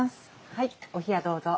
はいお冷やどうぞ。